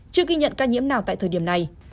chưa ghi nhận ca nhiễm nào tại thời điểm này